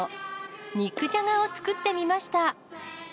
肉じゃがを作ってみました。